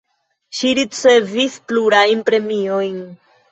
Ŝi ricevis plurajn premiojn.